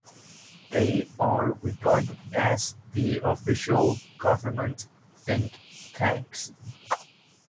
They are regarded as the official government think tanks.